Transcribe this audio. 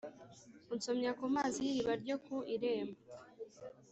Unsomya ku mazi y iriba ryo ku irembo